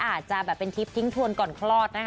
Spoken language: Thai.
อาจจะเป็นทิพย์ทิ้งทวนก่อนคลอด